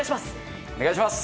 お願いします。